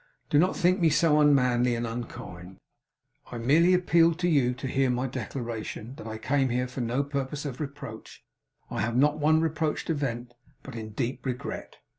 Do not think me so unmanly and unkind. I merely appealed to you to hear my declaration, that I came here for no purpose of reproach I have not one reproach to vent but in deep regret.